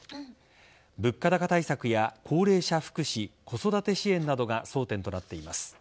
物価高対策や高齢者福祉子育て支援などが争点となっています。